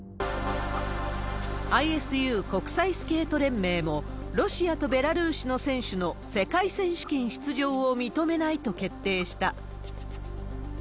ＩＳＵ・国際スケート連盟も、ロシアとベラルーシの選手の世界選手権出場を認めないと決定した。